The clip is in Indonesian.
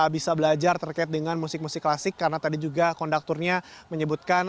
bisa belajar terkait dengan musik musik klasik karena tadi juga kondakturnya menyebutkan